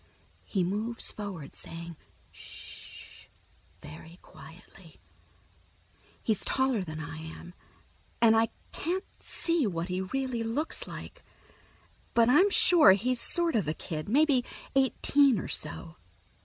He moves forward, saying "Sh h h" very quietly. He's taller than I am, and I can't see what he really looks like, but I'm sure he's sort of a kid, maybe eighteen or so.